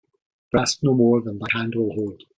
Grasp no more than thy hand will hold.